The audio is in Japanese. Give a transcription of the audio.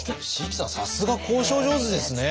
さすが交渉上手ですね。